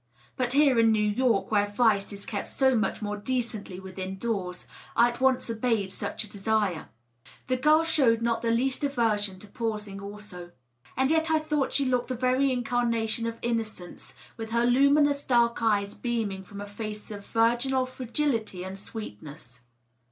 But here in New York, ■where vice is kept so much more decently within doors, I at once obeyed such a desire. The girl showed not the least aversion to pausing also. And yet I thought she looked the very incarnation of innocence, with her luminous dark eyes beaming from a face of virginal fragility and sweetness.